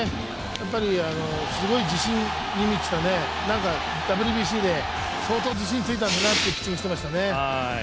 すごい自信に満ちたＷＢＣで相当、自信がついたんだなっていうピッチングしてましたね。